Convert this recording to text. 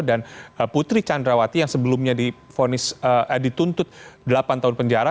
dan putri candrawati yang sebelumnya dituntut delapan tahun penjara